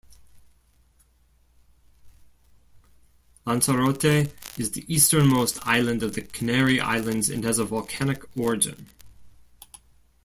Lanzarote is the easternmost island of the Canary Islands and has a volcanic origin.